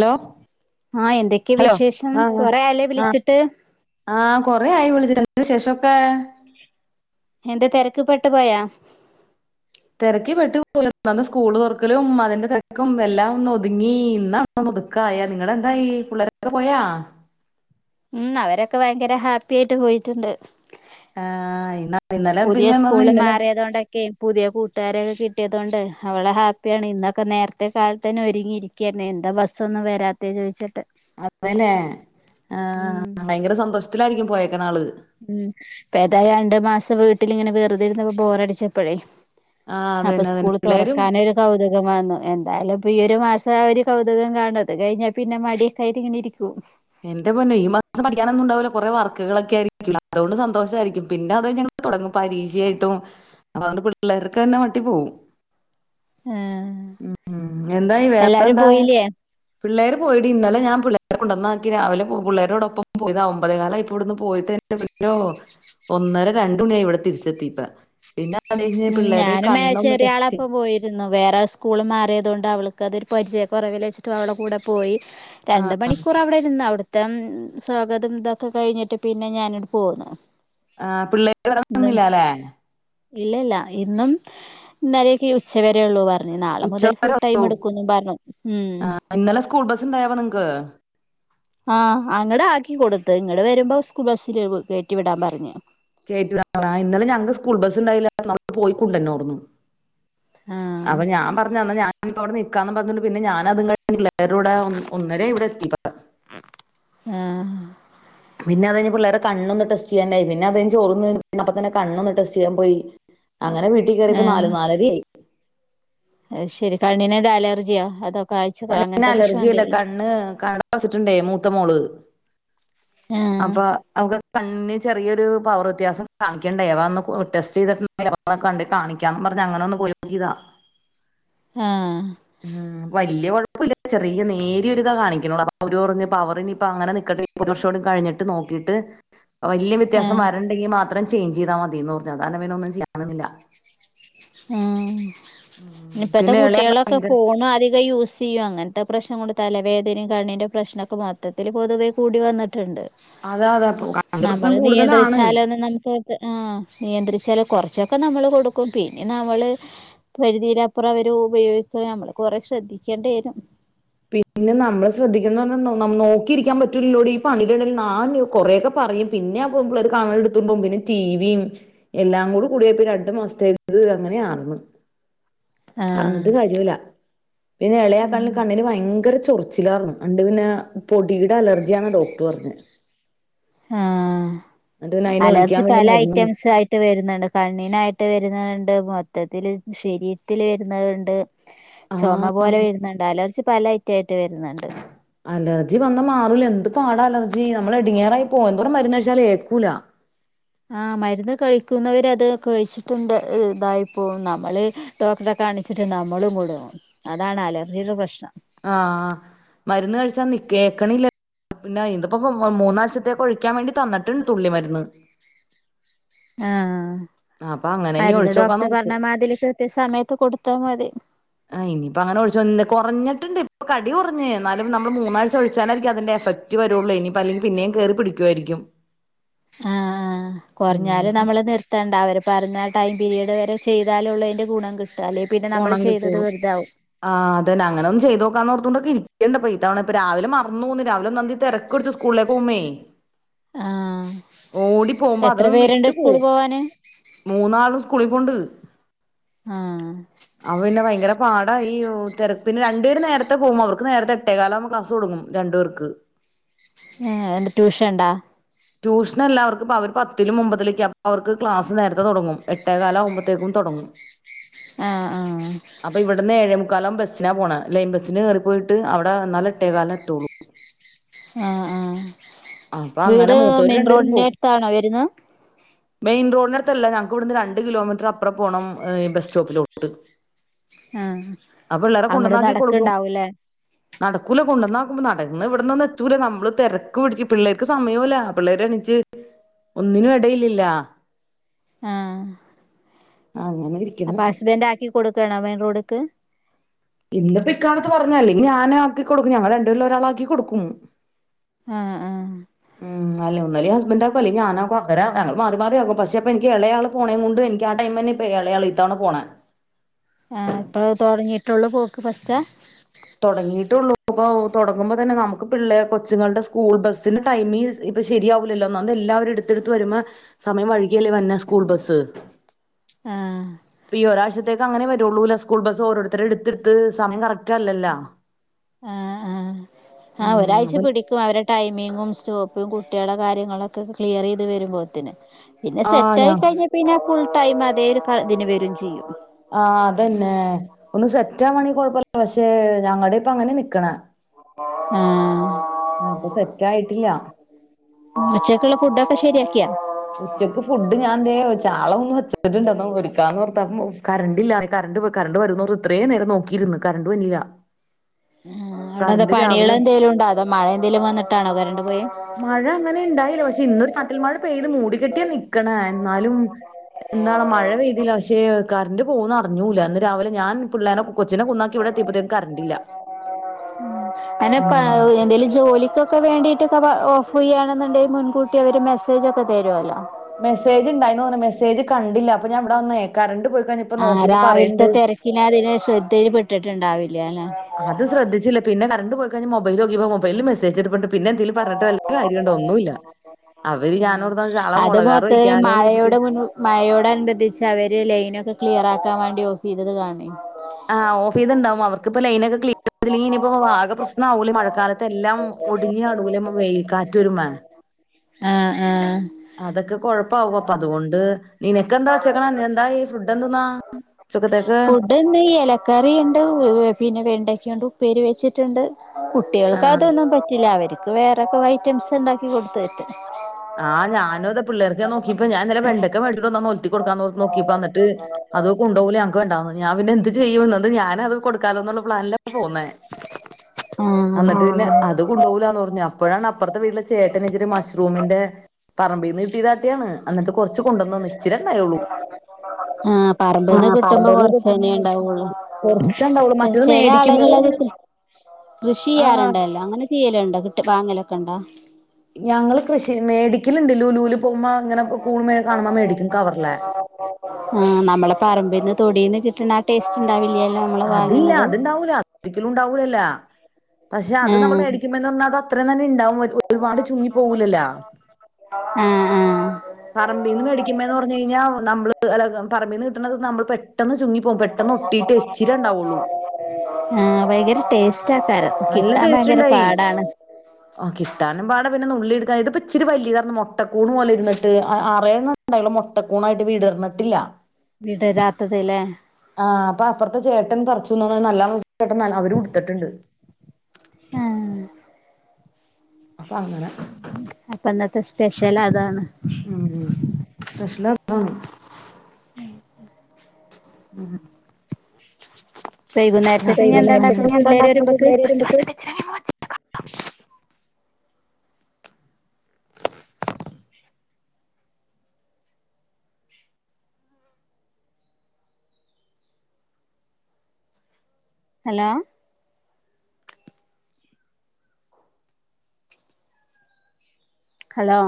Law ആഹ് എന്തൊക്കെ വിശേഷം കൊറെയായല്ലേ വിളിച്ചിട്ട് കുറേ ആയി വിളിച്ചിട്ട് [unintelligible] വിശേഷൊക്കെ എന്താ തെരക്ക് പെട്ടുപോയാ തിരക്കി വിട്ട് [unintelligible] സ്കൂള് തുറക്കലും അതിന്റെ തിരക്കും എല്ലാം ഒന്ന് ഒതുങ്ങി ഇന്നാ ഒന്ന് ഒതുക്കായ നിങ്ങടെ എന്തായി പിള്ളേരൊക്കെ പോയാ ഉം അവരൊക്കെ ഭയങ്കര ഹാപ്പി ആയിട്ട് പോയിട്ടുണ്ട് ആഹ് ഇന്ന ഇന്നലെ പുതിയ പിന്നെന്ന് പറഞ്ഞ സ്കൂള് ഇന്നലെ മാറിയതുകൊണ്ടൊക്കെ പുതിയ കൂട്ടുകാരെയൊക്കെ കിട്ടിയ തുകൊണ്ട് അവള് ഹാപ്പിയാണ് ഇന്നൊക്കെ നേരത്തെ കാലത്തന്നെ ഒരുങ്ങിയിരിക്കാരുന്നു എന്താ ബസ്സൊന്നും വരാത്തെ ചോയിച്ചിട്ട് അതേല്ലെ ആ ഉം ഭയങ്കര സന്തോ ത്തിലായിരിക്കും പോയേക്കണ ആള് ഉം ഇപ്പേതായാണ്ടു മാസം വീട്ടിലിങ്ങനെ വെറുത ഇരുന്നപ്പോ ബോറടിച്ചപ്പഴേ ആഹ് അപ്പൊ അതന്നെ അതന്നെ സ്കൂള് പിള്ളേരും തൊറക്കാനൊരു കൗതു മാന്നു എന്തായാലു ഇപ്പൊ ഈയൊരുമാസം ആ ഒരു കൗതുകം കാണും അതുകഴിഞ്ഞാൽ പിന്നെ മടിയിൽ കയറി ഇങ്ങനെ ഇരിക്കും എന്റെ പൊന്നെ ഈ മാസം പഠിക്കാനൊന്നും ഉണ്ടാവില്ല കൊറെ വർക് ക്കുകളൊക്കെ ആയിരിക്കും അതുകൊണ്ട് സന്തോഷാരിക്കും പിന്നെ അതഴിഞ്ഞങ്ങോട്ട് തൊടങ്ങും പരീഷായിട്ടും അതൊണ്ട് പിള്ളേർക്കുതന്നെ മടി പോവും ഉം എന്തായി എല്ലാരും വേറെന്താ? പോയില്ലേ പിള്ളേര് പോയെടി ഇന്നലെ ഞാൻ പിള്ളേരെ കൊണ്ടുന്നാക്കി രാവിലെ പു പിള്ളേരോടൊപ്പം പോയത ഒമ്പതേകാലായപ്പിടുന്ന് പോയിട്ട് ന്റെപൊന്നോ ഒന്നര രണ്ട്ണിയായ് ഇവിടെ തിരിച്ചെത്തിപ്പ പിന്നെ അത് കഴിഞ്ഞ് ഉം പിള്ളേര് ഞാനും കണ്ണൊന്ന് മേച്ചേരി ടെസ്റ്റ് ചെയ് ആളപ്പം പോയിരുന്നു വേറെ- സ്കൂള് മാറിയതുകൊണ്ട് അവൾക്കതൊരു പരിചയക്കൊറവൽ വെച്ചിട്ട് അവൾടെകൂടെ പോയി രണ്ട് മണിക്കൂർ അവിടിര്ന്ന് അവിടെ- മത്തം സ്വാഗതം ഇതൊക്കെ കഴിഞ്ഞിട്ട് പിന്നെ ഞാനിട്ട്പോന്നു ആ പിള്ളേ [unintelligible] ന്നില്ലല്ലെ ഇല്ല ഇല്ല ഇന്നും ഇന്നലേക്കെ ഉച്ചവരെള്ളൂ പറ- ഞ്ഞ് നാളെ മുതൽ ഫുൾ ഉച്ചവരെ ടൈം എടുക്കുന്നും പറഞ്ഞു ഉം ഇന്നലെ സ്കൂൾ ബസ് ഉണ്ടായപ്പോ നിങ്ങക്ക് ആഹ് അങ്ങടാക്കി കൊടുത്ത് ഇങ്ങട് വരുമ്പോ സ്കൂൾ ബസ്സിൽ കേറ്റിവിടാൻ പറഞ്ഞ് കേറ്റിവിടാൻ ആഹ് ഇന്നലെ ഞങ്ങ്ക്ക് സ്കൂൾബസ് ഇണ്ടായില്ല നമ്മള് പോയിക്കൊണ്ടുണാർന്നു ആഹ് അപ്പൊ ഞാൻ പറഞ്ഞ് എന്ന ഞാൻ ഞാനിപ്പോ അവിടെ നിക്കാന്നന്ന് പറഞ്ഞോണ്ട് പിന്നെ ഞാനത് അതും കഴി പിള്ളേരെ കൂടെ ഒന്നരആയി ഇവിടെ എത്തിയപ്പോ ആഹ പിന്നെ അതയിന്ന് പിള്ളേരെ കണ്ണൊന്ന് ടെസ്റ്റ് ചെയ്യാണ്ടായി പിന്നെ അത്കഴ്ഞ്ഞ് ചോർ ത്തിന്നപ്പോത്തിന് പിന്നപ്പന്നെ കണ്ണൊന്ന് ടെസ്റ്റ് ചെയ്യാൻ പോയി അങ്ങനെ വീട്ടിൽ കയറിപ്പോ നാല് ല നാലരയായി അ ശരി കണ്ണിനെന്താ അലർജിയാ അതൊ കണ്ണന് അലർജി അല്ല കണ്ണ് കണട വച്ചിട്ടുണ്ടേ മൂത്ത മോള് ആഹ് അപ്പൊ അവക്ക കണ് ചെറിയൊരു പവർ വ്യത്യാസം കാണിക്കണ്ടേവന്ന് ടെസ്റ്റ് ചെയ്തിട് കാണിക്കാന്ന് പറഞ്ഞ അങ്ങനെ ഒന്ന് പോയൊക്കിയതാ ആഹ ഉം വലിയകൊയപ്പ ല്ല ചെറിയ നേരിയൊരിതാ കാണിക്കണള്ളൂ അപ്പൊ അവര് പറന്ന് പവർ ഇനി അങ്ങനെ നിക്കട്ടെ ഒരു വർഷോടും കഴിഞ്ഞിട്ട് നോക്കീട്ട് വലയ വ്യത്യാസം ആഹ് വരണ്ടെങ്കി മാത്രം ചേയ്ഞ്ച് ചെയ്താൽ മതിന്ന് പറഞ്ഞാ പിനെ ഒന്നും ചെയ്യാനുന്നില്ല ആഹ ഇപ്പഴത്തെ പിന്നെ കുട്ടികളൊക്കെ ഇളയ ഫോൺ അധികം യൂസ് ചെയ്യും അങ്ങനത്തെ പ്രശ്നം കൊണ്ട് തലവേദനയും കണ്ണിൻ്റെ പ്രശ്നമൊക്കെ മൊത്തത്തിൽ പൊതുവേ കൂടി വന്നിട്ടുണ്ട് അതാ അതാ ഇപ്പൊ കറണ്ട് പ്രശ്നം നമ്മള് കൂടുതലാണ് നിയന്ത്രിച്ചാലെ നമുക്ക് ആ നിയന്ത്രിച്ചാലകൊറച്ചക്കെ ഒക്കെ നമ്മൾ കൊടുക്കും പിന്നെ നമ്മള് പരിധിയിലപ്പുറം അവര് ഉപയോഗിക്ക നമ്മള് കൊറെ ശ്രദ്ധിക്കേണ്ടി വരും പിന്നെ നമ്മള് ശ്രദ്ധിക്കണം ന് പറഞ്ഞനോക്കിയിരിക്കാൻ പറ്റൂലോടി ഈ പണിയിന്റെ ഇടയിൽ കൊറെക്കെ പറയും പിന്നെ ആ പെൺപിള്ളേർ അഗണ്ട് എടുത്തു പോകും പിന്നെ ടിവിയും എല്ലാം കൂടി കൂടിയപ്പോ രണ്ടു മാസത്തേക്ക് അങ്ങനെആയിരുന്നു ആഹ് പറഞ്ഞിട്ട് കാര്യല്ല പിന്നെ ഇളയാക് ഉം കണ്ണിന് ഭയങ്കര ചൊറിച്ചിലർന്നു അണ്ട് പിന്നെ പൊടിയുടെ അലർജിയാ ഡോക്ടർ പറഞ്ഞത് ആഹ ഒഴിക്കാൻ അലർജി വേണ്ടി പല മരുന്ന് ഐറ്റംസ് ആയിട്ട് വരുന്നുണ്ട് കണ്ണീനായിട്ട് വരുന്നതുണ്ട് ണ്ട് മൊത്തത്തില് ശരീരത്തിൽ വരുന്നത്ണ്ട് ആ ചുമ പോലെ വരുന്നുണ്ട് അലർച്ച പാലായിട്ടായിട്ട്റ്റായിട്ട് യിട്ട് വരുന്നുണ്ട്. അലർജി വന്നാ മാറൂല എന്ത് പാടാ അലർജി നമ്മൾ ഇടങ്ങേറായി പോവും എന്തോരം മരുന്നഴിച്ചാലും ഏക്കൂല. ആ മരുന്ന് കഴിക്കുന്നവർ അത് കഴിച്ചിട്ടുണ്ട് ഇതായിപ്പോവും നമ്മള് ഡോക്ടറെ കാണിച്ചിട്ട് നമ്മളും കുടുങ്ങും അതാണ് അലർജിയുടെ പ്രശ്നം. ആഹ് മരുന്ന് കഴിച്ചാ ന കേക്കണില്ലേ പിന്നെ ഇദ്പ്പോ മൂന്നാഴ്ചത്തേക് ഒഴിക്കാൻ വേണ്ടി തന്നിട്ട്ണ്ട് തുള്ളി മരുന്ന്. ആഹ് ഇനി മരുന്ന് ഡോക്ടർ ഒഴിച്ചോക്കാന്നോർത്ത് പറഞ്ഞ മാതിരി കൃത്യ സമയത്ത് കൊടു ത്താ മതി. ആ ഇനി ഇപ്പ അങ്ങനെ ഒഴിച്ച് കുറഞ്ഞിട്ടുണ്ട് ഇപ്പൊ കടി കുറഞ്ഞ് എന്നാലും നമ്മള് മൂന്നാഴ്ച്ച ഒഴിച്ചാലായിരിക്കും അതിന്റെ എഫക്റ്റ് വരള്ളൂ ഇനിപ്പ അല്ലെങ്കിൽ പിന്നെയും കേറി പിടിക്കുവായിരിക്കും. ആഹ് കുറഞ്ഞാലും നമ്മള് നിർത്തേണ്ട അവര് പറഞ്ഞാ ടൈം പീരിഡ് വരെ ചെയ്താലുള്ളൂ അതിന്റെ ഗുണം കി കൊണം കിട്ടുള്ളൂ ആ അതന്നെ അങ്ങനെ ഒന്നും ചെയ്തോക്കാന്നോർത്തോണ്ട്. പ്പ ഇരിക്കല്ണ്ട് പ്പോ ഇത്തവണ ഇപ്പ, രാവിലെ മറന്നു പോന്ന്, രാവിലെ ഒന്നാമതീ തെരക്കുടിച്ചു- സ്കൂളിലേക്ക് പോമ്മേ. ആഹ് ഓടി പോവുമ്പോ എത്ര അതങ്ങ് പേരുണ്ട് വിട്ടു- സ്കൂള് പോവും പോവാന് മൂന്നാളും സ്കൂളിൽ പോൻണ്ട്. ആഹാ.. അപിന്നെ ഭയങ്കര പാടാ ഈ തെര പിന്നെ, രണ്ടുപേര് നേരത്തെ പോവും അവർക്ക് നേരത്തെ എട്ടേകാലാവ്മ്പോ ക്ലാസ്സ് തൊടങ്ങും രണ്ടുപേർക്ക്. ഏഹ് എന്ത് ട്യൂഷൻ ഇണ്ടോ? ട്യൂഷനല്ലാ അവർക്ക് പ്പവര് പത്തിലും ഒമ്പതിലൊക്ക്യാ, അവർക്ക് ക്ലാസ് നേരത്തെ തൊടങ്ങും. എട്ടേകാലാവുമ്പത്തേക്കും തൊടങ്ങും ആഹ് ആഹ്... ക്കാലം ബസ്സിനാ പോണേയ് ലൈൻ ബസ്സിന് കേറിപ്പോയിട്ട് അവ്ടെ ഇന്നാലെ എട്ടെകാൽന് എത്തൊള്ളു. ആഹ് ആഹ്. വീട് അങ്ങനെ മൂത്തവര് രണ്ടുപേരും മെയിൻറോഡിന്റെ- പോകും എടുത്താണോ വരുന്ന്. ത്തല്ല ഞങ്ങക്ക് ഇവ്ടുന്ന് രണ്ട് കിലോമീറ്റർ അപ്റംപോണം ഏഹ്, ബസ്റ്റോപ്പിലോട്ട്. ആഹ് ആപിള്ളേരെ അങ്ങട് കൊണ്ടന്നാക്കി കൊടുക്കും, നടക്ക്ണ്ടാവൂല്ലേ നടക്കൂല. കൊണ്ടന്നാകുമ്പോ നടന്ന്- ഇവിടുന്നൊന്ന് എത്തൂല നമ്മള് തെരക്ക് പിടിച്ച്. പിള്ളേർക്ക് സമയോല്ല പിള്ളേര്എണീച്ച് ഒന്നിനും ഇടയില്ലില്ല. അങ്ങനെ ഇരിക്കണ് അപ്പോ ഹസ്ബൻ്റ് ആക്കി- കൊടുക്കാണോ മെയിൻറോഡ്- ത്ത്. ഇല്ലപ്പോ ഇക്കാലത്ത് നടന്നതല്ലേ? ഞാനാക്കി കൊടുക്കും ഞങ്ങൾ- രണ്ടുപേരില് ഒരാളാക്കി കൊടുക്കും. ആഹാ ആഹാ.. ഉം അല്ല ഒന്നല്ലേ ഹസ്ബൻ്റ് ആക്കു അല്ലങ്കി ഞാനാക്കു ഇവരെ ഞങ്ങള് മാറി മാറി ആകും പക്ഷെ അപ്പ എനിക്ക് എളെയാള് പോണേ കൊണ്ട് എനിക്ക് ആടൈമന്നെ ഇപ്പേ എളെയാള് ഇത്തവണ പോണേ. ആഹ് ഇപ്പള് തൊടങ്ങിട്ടുള്ളൂ പോക്ക് ഫസ്റ്റാ? തൊടങ്ങിട്ടുള്ളൂ ഇപ്പൊ തുടങ്ങുമ്പോ തന്നെ നമുക്ക് പിള്ളേ കൊച്ചുങ്ങളുടെ സ്കൂൾ ബസ്സിന് ടൈമി ഇപ്പൊ ശരിയാവൂലല്ലോഒന്നാമത് എല്ലാവരും എടുത്തിടുത്ത് വരുമാ സമയം വഴികിയല്ലേ വന്നേ സ്കൂൾ ബസ്സ്. ആഹാ. ഇപ്പീ ഒരാഴ്ചത്തേക്ക് അങ്ങനെ വരുള്ളൂലേ സ്കൂൾ ബസ് ഓരോരുത്തരെ എടുത്തിടുത്ത് സമയം കറക്റ്റ്അല്ലല്ലാ. ആഹ് ആഹ് ആഹ് ഒരാഴ്ച- അപ്പൊ പിടിക്കും അവരെ ടൈമിങ്ങും സ്റ്റോ- ഇപ്പൊ കുട്ടിയാളെ കാര്യങ്ങളൊക്കെ ക്ലിയറീത് വരുമ്പോത്തിന്. പിന്നെ ആഹ് ഞാ സെറ്റായി കഴിഞ്ഞ പിന്നെ ഫുൾ ടൈം- തേ ഒരു ക ഇതിന് വരും ചെയ്യും. ആഹ് അതന്നെ ഒന്ന് സെറ്റാവാണങ്കി കൊഴപ്പം ഇല്ല പക്ഷെ ഞങ്ങടെ ഇപ്പ അങ്ങനെ നിക്ക്ണേ ആഹാ. ആഹ് അപ്പൊ സെറ്റ് ആയിട്ടില്ല ഉച്ചക്കുള്ള ഫുഡൊക്കെ ശരിയാ ഉച്ചക്ക് ഫുഡ് ഞാൻതെ ചാള ഒന്ന് വെറ്റിച്ചിട്ടുണ്ട് എന്ന മൊരിക്കാന്ന് ഓർത്തപ്പൊ കറന്റ്‌ ഇല്ല കറന്റ്‌ പോയി കറന്റ്‌ വരോ ഇത്രയേ നേരെ നോക്കിയിരുന്ന് കറണ്ട് വന്നീല ആഹ് അവിടെ എന്താ പണികള് എന്തേലും ഉണ്ടോ അതോ മഴ എന്തേലും വന്നിട്ടാണോ കറന്റ്‌ പോയെ മഴ ത് മൂടി കെട്ടിയ നിക്കണെ എന്നാലും എന്താണ് മഴ പെയ്തില്ല പക്ഷെ കരണ്ട് പോകുന്നർന്ന് പറഞ്ഞൂല ഇന്ന് രാവിലെ ഞാൻ പിള്ളേനെ കൊച്ചിനെ കുന്നാക്കി ഉം ഇവിടെ എത്തിയപ്പോഴത്തേക്കും കറണ്ടില്ല അനെപ്പ ഉം എന്തേലും ജോലിക്കൊ ക്കെ വേണ്ടിയിട്ടൊക്കെ ഓഫ് ചെയ്യാണെന്നുണ്ടെങ്കിൽ മുൻകൂട്ടി അവർ മെസ്സേജൊക്കെ തരുവല്ലോ മെസ്സേജ്ണ്ടായിന്ന് തോന്ന മെസേജ് കണ്ടില്ല അപ്പ ഞാൻ ഇവിട വന്നേ കരണ്ട് പോയി കഴിഞ്ഞപ്പോ ആഹ് നോക്കിയപ്പോ രാവിലത്തെ പറയണ്ട് തെരക്കിൽ അതിനെ ശ്രദ്ധയിൽ പെട്ടിട്ടുണ്ടാവില്ല. അല്ലെ അത് ശ്രദ്ധിച്ചില്ല പിന്നെ കറണ്ട് പോയ യി കഴിഞ്ഞ് മൊ പറഞ്ഞിട്ട് വല്ല കാര്യമുണ്ടോ ഒന്നുമില്ല അവര് ഞാനോർത്ത ചാള അത് മുളകാറ് [unintelligible] വെക്കാലോന്ന് വെച്ചിട്ട് മഴയോട് മഴയോടനുബന്ധിച്ച് അവര് ലൈനൊക്കെ ക്ലിയർ ആക്കാൻ വേണ്ടി ഓഫ് ചെയ്തത് കാണി ആഹ് ഓഫ്‌ ചെയ്തുണ്ടാവും അവർക്കിപ്പൊ ലൈനൊക്കെ ഇനിയിപ്പോ ആകെ പ്രശ്നമാവൂലേ മഴക്കാലത്ത് എല്ലാം ഒടിഞ്ഞ് കാണുല്ലേ കാറ്റ് വരുമ്പം. ആഹ് ആഹ് അതൊക്കെ കൊഴപ്പാവും അപ്പൊ അതുകൊണ്ട് നിനക്കെന്താ വെച്ചേക്കണ എന്തായി ഫുഡ് എന്തന്നാ ഉച്ചക്കത്തേക്ക്? ഫുഡ് ഇന്ന് ഇലക്കറിയുണ്ട് പിന്നെ വെണ്ടയ്ക്കണ്ട് ഉപ്പേരി വെച്ചിട്ടുണ്ട്. കുട്ടികൾക്ക് ആഹ് അതൊന്നും പറ്റില്ല അവര് അത് വേറെ കൊറെ ഐറ്റംസ് ഉണ്ടാക്കി കൊടുത്തു വിട്ട്. ആഹ് ഞാനും അത് പിള്ളേർക്ക് നോക്കിപ്പോ ഞാൻ ഇന്നലെ വെണ്ടക്ക മേടിച്ചോണ്ട് വന്ന് ഒലത്തി കൊടുക്കാന്ന് ഓർത്ത് നോക്കിപ്പോ എന്നിട്ട് അത് കൊണ്ട് പോകില്ല ഞങ്ങക്ക് വേണ്ടാന്ന് ഞാൻ പിന്നെ എന്ത് ചെയ്യുവെന്ന്? ഞാൻ അത് കൊടുക്കാല്ലോന്നുള്ള പ്ലാനില ഇപ്പൊ പോന്നേ ആഹ് എന്നിട്ട് പിന്നെ അത് കൊണ്ട് പോകൂലാന്ന് പറഞ്ഞു അപ്പോഴാണ് അപ്പുറത്തെ വീട്ടിലെ ചേട്ടൻ ഇച്ചിരി മഷ്‌റൂമിന്റെ പറമ്പിന്ന് കിട്ടിയ കാട്ടിയതാണ് എന്നിട്ട് കുറച്ച് കൊണ്ടുവന്ന് തന്നു ഇച്ചിരിയെ ഉണ്ടായുള്ളു. ആഹ് പറമ്പിൽന്ന് കിട്ടുമ്പോ കൊറച്ചെന്നെ ഉണ്ടാവുള്ളൂ ചില ആളുകളത് കൃഷി ചെയ്യാറുണ്ടല്ലോ അങ്ങനെ ചെയ്യലുണ്ടോ കിട്ട് വാങ്ങലൊക്കെ ഉണ്ടോ? ഞങ്ങള് കൃഷി മേടി ക്കലുണ്ട് ലുലൂല് പോകുമ്പോ ഇങ്ങനെ കൂൺ കാണുമ്പോ മേടിക്കും കവറിലെ. ട്ട്ന്ന ആ ടേസ്റ്റ് ഉണ്ടാവില്ല്യാ അതില്ല അത്ണ്ടാവൂല അത് ഒരിക്കലും ഉണ്ടാവൂലല്ലോ. [inaudible] പക്ഷെ അത് നമ്മൾ ആഹ് മേടിക്കുമ്പോന്ന് പറഞ്ഞാൽ അത് അത്രയും തന്നെ ഉണ്ടാവും ഒരുപാട് ചുരുങ്ങി പോകില്ലല്ലോ ആഹ് ആഹ് പറമ്പിന്ന് മേടിക്കുന്നെന്ന് പറഞ്ഞു കഴിഞ്ഞ നമ്മള് [unintelligible] കിട്ടണത് നമ്മൾ പെട്ടെന്ന് ചുങ്ങി പോകും പെട്ടെന്ന് ഒട്ടിയിട്ട് എച്ചിരി ഉണ്ടാവുള്ളൂ ആഹ് ഭയങ്കര ടേസ്റ്റ് ആക്കാരുന്നു നല്ല ടേസ്റ്റ് ഉണ്ടായി കിട്ടാനും പാട പിന്നെ ഉള്ളിഎടുത്ത ഇതിപ്പ ഇച്ചിരി വല്ലിതാണ് മൊട്ട കൂണ് പോലെ ഇരുന്നിട്ട് ആറേഴെണ്ണവേ ഉണ്ടായുള്ളു മൊട്ട കൂണുവായിട്ട് വിടർന്നിട്ടില്ല വിടരാത്തത് ഇല്ലേ ആഹ് അപ്പ അപ്പുറത്തെ ചേട്ടൻ പറിച്ചുന്നതാണ് നല്ല ചേട്ടന്നാൽ അവരും എടുത്തിട്ടുണ്ട് അപ്പോ ഇന്നത്തെ സ്പെഷ്യൽ അതാണ്. ആഹ് ഉം ഉം വൈകുന്നേരത്തേക്ക് ഇഞ്ഞ് എന്താ വൈകുന്നേരത്തേക്ക് ഇണ്ടാക്ക്ണെ ഇനി എന്താ പിള്ളേര് ഉണ്ടാക്കണത് വരുമ്പക്ക് പിള്ളേര് വരുമ്പത്തേക്ക്. ഹലോ ഹലോ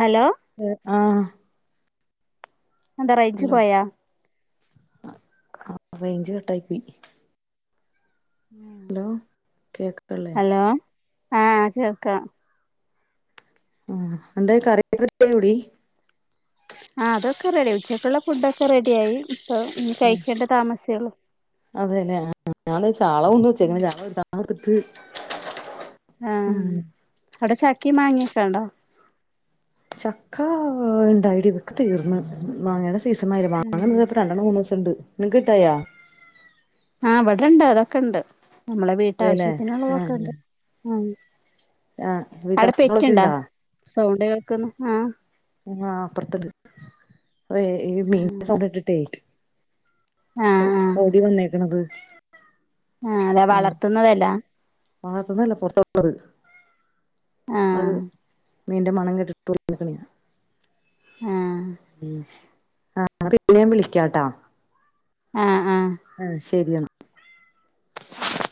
ഹലോ ആഹ് എന്താ റേയ്ച്ചു പോയാ. ആ റേഞ്ച് കട്ടായി പോയി. ഹലോ കേക്കകള്ളേ ആഹ കേൾക്കാം. ആ എന്തെ കറിക്ക് കിട്ടിയോടീ. ആ അതൊക്കെ റെഡി ഉച്ചക്കുള്ള ഫുഡൊക്കെ റെഡി ആയി. ഉം അതേല്ലേ ആ ഞങ്ങള് ചാള കൊണ്ടുവന്നു വെച്ചാക്കുന്നു ചാള വെട്ടണം. [unintelligible] ആഹ് അവിടെ ച ക്കയും മാങ്ങയുക്കെയുണ്ടോ? ചക്കാഉണ്ടായെടി ഒക്കെ തീർന്നു മാങ്ങേടെ സി സീസണ് ആയി ഉം വാങ്ങുന്നത് ഇപ്പോ രണ്ടണ്ണം മൂന്ന് ദിസം ഉണ്ട്. നിക്ക് കിട്ടായോ. ആഹ് ഇവിടെ ഇണ്ട് അതൊക്കെ ഇണ്ട്. നമ്മളെ അതെല്ലേ വീട്ടാവശ്യത്തിനുള്ളതൊക്കെ ആഹ് ഉണ്ട്. ആ ആഹ് [unintelligible] ളൊക്കെ ഇണ്ടോ? സൗണ്ട് കേൾക്കുന്നു ആഹ് ആ അപ്പർത്ത്ട്. അതെ ഈ മീന്റെ സൗണ്ടേട്ടിട്ടേ. ഓടി വന്നേക്ക്ണത്. ആ അതെ വളർത്തുന്നതല്ല. വളർത്തുന്നതല്ല പൊർത്തൊള്ളത്. ആഹ് മീന്റെ മണം കെട്ടിട്ടോ [unintelligible] ആഹ് ഉം ആ പിന്നെ ഞാൻ വിളിക്കാട്ടാ. ആഹ് ആഹ് ശരിയെന്നാ [unintelligible] ശരി